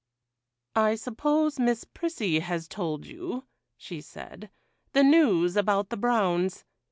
'I suppose Miss Prissy has told you,' she said, 'the news about the Browns.